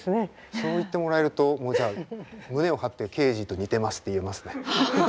そう言ってもらえるともうじゃあ胸を張ってケージと似てますって言えますね。